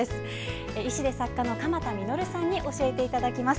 医師で作家の鎌田實さんに教えていただきます。